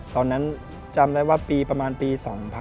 ตอนนั้นจำได้ว่าปีประมาณปี๒๐๑๐